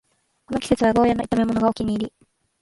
この季節はゴーヤの炒めものがお気に入り